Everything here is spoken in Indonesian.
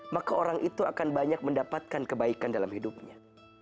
maka orang itu akan banyak mendapatkan kebaikan dalam hidupnya